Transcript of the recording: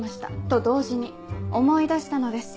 と同時に思い出したのです。